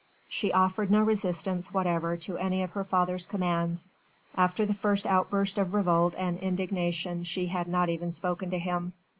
She offered no resistance whatever to any of her father's commands. After the first outburst of revolt and indignation she had not even spoken to him.